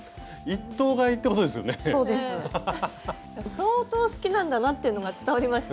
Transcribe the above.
相当好きなんだなっていうのが伝わりました。